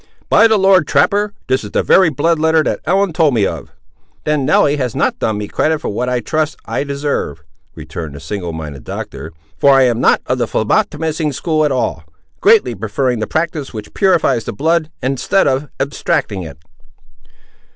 "By the Lord, trapper, this is the very blood letter that Ellen told me of!" "Then Nelly has not done me credit for what I trust I deserve," returned the single minded Doctor, "for I am not of the phlebotomising school at all; greatly preferring the practice which purifies the blood instead of abstracting it."